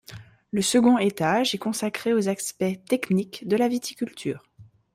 Le second étage est consacré aux aspects techniques de la viticulture.